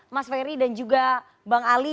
mas ferry dan juga bang ali